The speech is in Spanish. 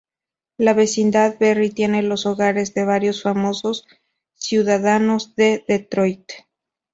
La vecindad Berry tiene los hogares de varios famosos ciudadanos de Detroit.